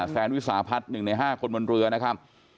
แซนวิสาพัฒน์๑ใน๕คนบนเรือนะครับ